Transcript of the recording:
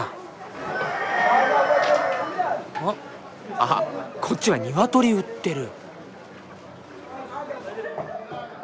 あっこっちはニワトリ売ってる。